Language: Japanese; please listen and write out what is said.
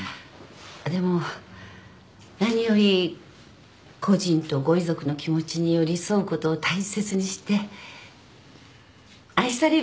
でも何より故人とご遺族の気持ちに寄り添うことを大切にして愛される。